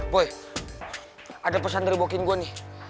boy ada pesan dari bokin gue nih